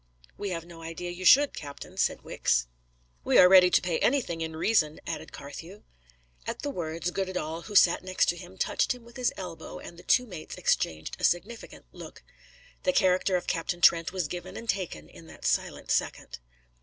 "We have no idea you should, captain," said Wicks. "We are ready to pay anything in reason," added Carthew. At the words, Goddedaal, who sat next to him, touched him with his elbow, and the two mates exchanged a significant look. The character of Captain Trent was given and taken in that silent second.